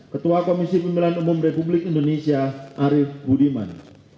ketua komisi pemilihan umum republik indonesia arief budiman